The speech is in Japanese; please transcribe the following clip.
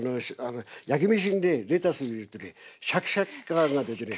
焼き飯にレタス入れるとシャキシャキ感が出てね